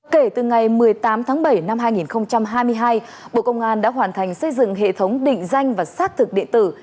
kể từ ngày một mươi tám tháng bảy năm hai nghìn hai mươi hai bộ công an đã hoàn thành xây dựng hệ thống định danh và xác thực điện tử